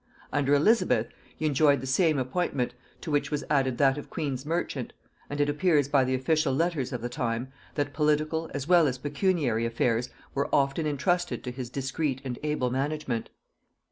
Under Elizabeth he enjoyed the same appointment, to which was added that of queen's merchant; and it appears by the official letters of the time, that political as well as pecuniary affairs were often intrusted to his discreet and able management.